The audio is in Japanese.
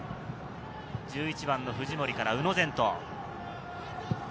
１１番の藤森から宇野禅斗。